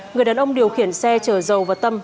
người đàn ông điều khiển xe chở dầu và tâm